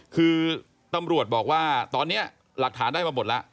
คือตำรวจบอกว่าตอนนี้หลักฐานได้มาหมดแล้ว